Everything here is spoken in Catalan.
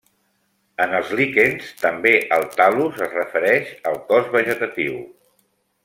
En els líquens també el tal·lus es refereix al cos vegetatiu.